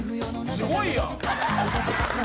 すごいやん！